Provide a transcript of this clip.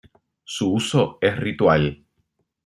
Su uso es ritual.